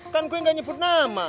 kan gue gak nyebut nama